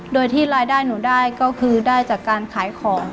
โดยที่รายได้หนูได้ก็คือได้จากการขายของ